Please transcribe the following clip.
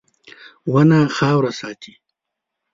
• ونه خاوره ساتي.